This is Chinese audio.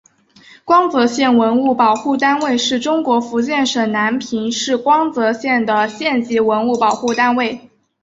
光泽县文物保护单位是中国福建省南平市光泽县的县级文物保护单位。